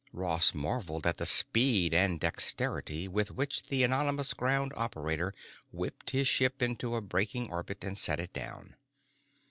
Ross marveled at the speed and dexterity with which the anonymous ground operator whipped his ship into a braking orbit and set it down.